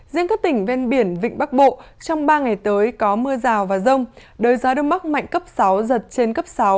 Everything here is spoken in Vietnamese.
riêng các tỉnh ven biển vịnh bắc bộ trong ba ngày tới có mưa rào và rông đời gió đông bắc mạnh cấp sáu giật trên cấp sáu